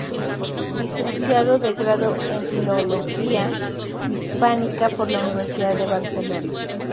Licenciado de grado en Filología Hispánica por la Universidad de Barcelona.